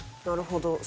なるほど。